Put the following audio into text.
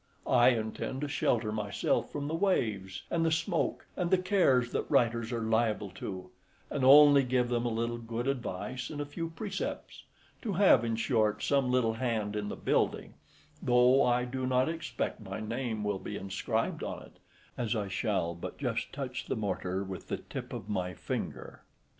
I intend to shelter myself from the waves and the smoke, and the cares that writers are liable to, and only give them a little good advice and a few precepts; to have, in short, some little hand in the building, though I do not expect my name will be inscribed on it, as I shall but just touch the mortar with the tip of my finger.